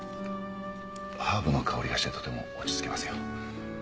ハーブの香りがしてとても落ち着きますよ。